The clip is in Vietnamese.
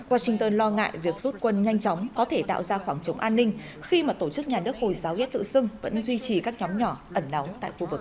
washington lo ngại việc rút quân nhanh chóng có thể tạo ra khoảng trống an ninh khi mà tổ chức nhà nước hồi giáo yết tự xưng vẫn duy trì các nhóm nhỏ ẩn đóng tại khu vực